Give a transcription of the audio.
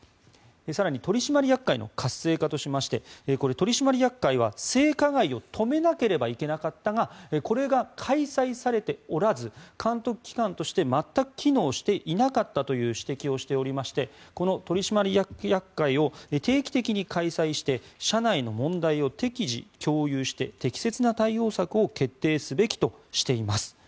更に、取締役会の活性化としまして取締役会は性加害を止めなければいけなかったがこれが開催されておらず監督機関として全く機能していなかったという指摘をしておりまして取締役会を定期的に開催して社内の問題を適時共有して適切な対応策を決定すべきとしています。